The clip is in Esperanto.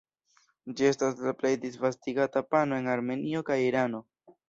Ĝi estas la plej disvastigata pano en Armenio kaj Irano.